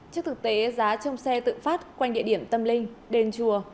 trước thực tế giá trong xe tự phát quanh địa điểm tâm linh đền chùa